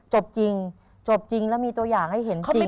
จบจริงจบจริงแล้วมีตัวอย่างให้เห็นจริง